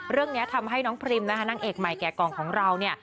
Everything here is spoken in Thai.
เรื่องนี้ทำให้น้องพรีมนะคะนางเอกใหม่แก่กล่องของเราเนี่ย